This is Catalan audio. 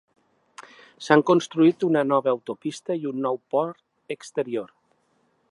S"han construït una nova autopista i un nou port exterior.